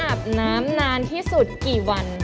อาบน้ำนานที่สุดกี่วัน